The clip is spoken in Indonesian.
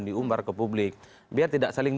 diumbar ke publik biar tidak saling